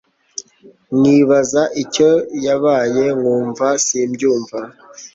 nkibaza icyo yabaye nkumva simbyumva